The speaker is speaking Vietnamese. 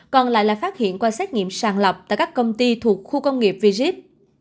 còn lại là phát hiện qua xét nghiệm sàng lọc tại các công ty thuộc khu công nghiệp vgip